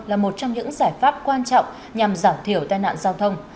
là một trong những giải pháp quan trọng nhằm giảm thiểu tai nạn giao thông